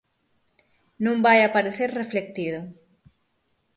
Non vai aparecer reflectido.